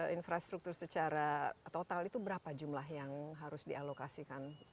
infrastruktur secara total itu berapa jumlah yang harus dialokasikan